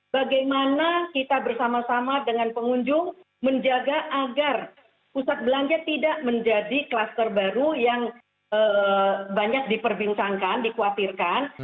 bagaimana kita bersama sama dengan pengunjung menjaga agar pusat belanja tidak menjadi kluster baru yang banyak diperbincangkan dikhawatirkan